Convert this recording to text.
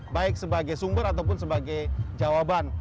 baik sebagai sumber ataupun sebagai jawaban